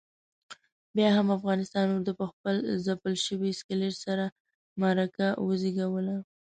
بیا هم افغانستان اردو پخپل ځپل شوي اسکلیت سره معرکه وزېږوله.